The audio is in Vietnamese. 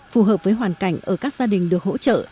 phù hợp với hoàn cảnh ở các gia đình được hỗ trợ